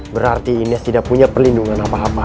berarti ines tidak punya perlindungan apa apa